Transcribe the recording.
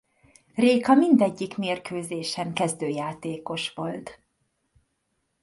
Réka mindegyik mérkőzésen kezdőjátékos volt.